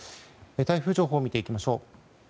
台風情報を見ていきましょう。